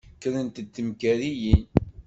Krant-d imkariyen.